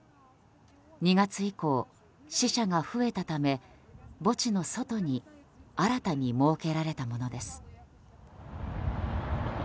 ２月以降、死者が増えたため墓地の外に新たに設けられたものです。